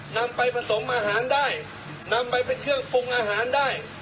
นำไปผสมอาหารได้นำไปเป็นเครื่องปรุงอาหารได้